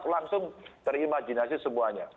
langsung terimajinasi semuanya